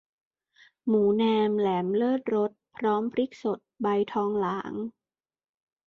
หมูแนมแหลมเลิศรส พร้อมพริกสดใบทองหลาง